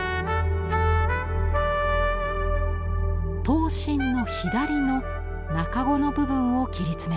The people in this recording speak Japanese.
刃身の左の茎の部分を切り詰めました。